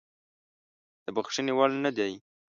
د بخښنې وړ نه دی.